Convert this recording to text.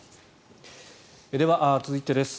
では、続いてです。